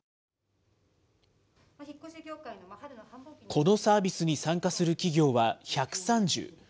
このサービスに参加する企業は１３０。